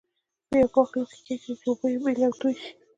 په یوه پاک لوښي کې یې کېږدئ چې اوبه یې بېلې او توی شي.